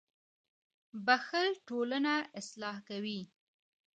• بښل ټولنه اصلاح کوي.